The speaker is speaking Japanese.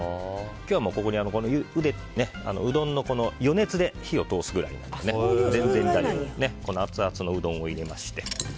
今日はもうここにゆでたうどんの余熱で火を通すぐらいですからアツアツのうどんを入れまして